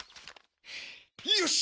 よし！